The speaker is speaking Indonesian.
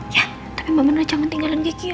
ya tapi mama jangan tinggalin gigi ya